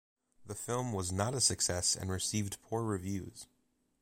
The film was not a success and received poor reviews.